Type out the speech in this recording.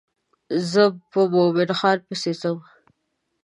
زه په مومن خان پسې ځم.